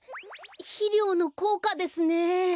ひりょうのこうかですね。